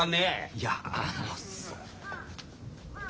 いやあの。